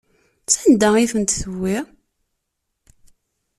Sanda ay ten-tewwi?